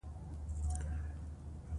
ادبي مشاعريد ذهن پراخوالی زیاتوي.